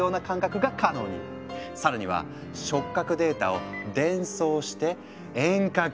更には触覚データを伝送して遠隔治療！